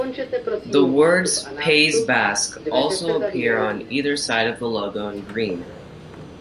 The words Pays Basque also appear on either side of the logo in green.